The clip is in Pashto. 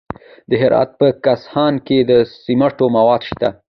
د هرات په کهسان کې د سمنټو مواد شته.